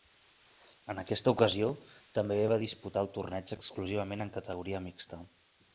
En aquesta ocasió, també va disputar el torneig exclusivament en categoria mixta.